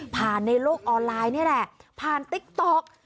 ในโลกออนไลน์นี่แหละผ่านติ๊กต๊อก